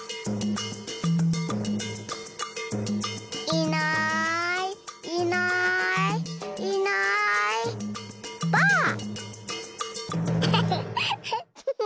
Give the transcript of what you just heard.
いないいないいないばあっ！